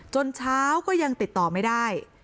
เช้าก็ยังติดต่อไม่ได้